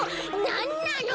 なんなの？